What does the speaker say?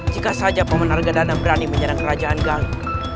jika saja pemenarga dana berani menyerang kerajaan galuh